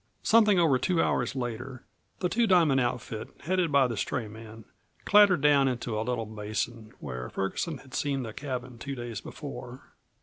Something over two hours later the Two Diamond outfit, headed by the stray man, clattered down into a little basin, where Ferguson had seen the cabin two days before.